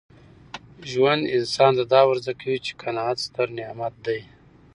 ژوند انسان ته دا ور زده کوي چي قناعت ستر نعمت دی.